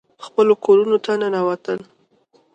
خپلو کورونو ته ننوتل.